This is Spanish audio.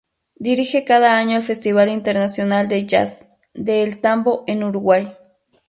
Dirige cada año el Festival Internacional de Jazz de El Tambo en Uruguay.